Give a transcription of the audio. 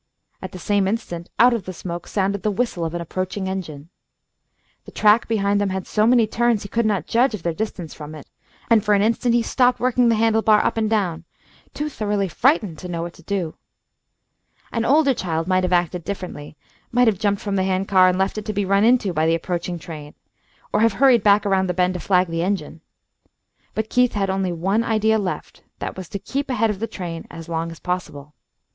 At the same instant, out of the smoke, sounded the whistle of an approaching engine. The track behind them had so many turns, he could not judge of their distance from it, and for an instant he stopped working the handle bar up and down, too thoroughly frightened to know what to do. An older child might have acted differently; might have jumped from the hand car and left it to be run into by the approaching train, or have hurried back around the bend to flag the engine. But Keith had only one idea left: that was to keep ahead of the train as long as possible.